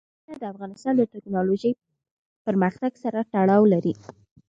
قومونه د افغانستان د تکنالوژۍ پرمختګ سره تړاو لري.